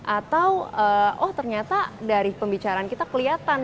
atau oh ternyata dari pembicaraan kita kelihatan